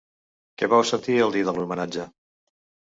Què vau sentir el dia de l’homenatge?